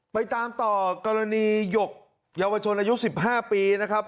ไปตามต่อกรณีหยกเยาวชนอายุ๑๕ปีนะครับ